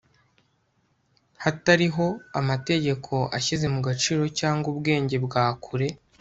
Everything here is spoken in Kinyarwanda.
Hatariho amategeko ashyize mu gaciro cyangwa ubwenge bwa kure